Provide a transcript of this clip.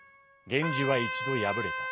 源氏は一度敗れた。